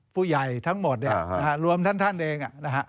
ผู้ใหญ่ทั้งหมดเนี่ยรวมท่านเอง